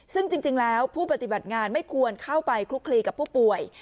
ซึ่งจริงแล้วผู้ปฏิบัติงานไม่ควรเข้าไปคลุกคลีกับผู้ป่วย